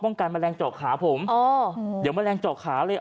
อ๋อป้องกันแมลงเจาะขาผมเดี๋ยวแมลงเจาะขาเลย